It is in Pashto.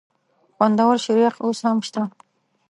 خوندور شریخ اوس هم شته؟